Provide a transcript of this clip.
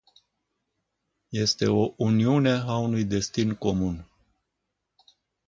Este o uniune a unui destin comun.